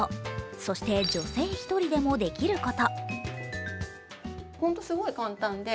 そして女性１人でもできること。